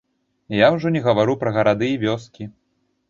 Я ўжо не гавару пра гарады і вёскі.